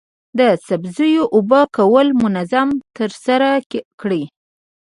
د سبزیو اوبه کول منظم ترسره کړئ.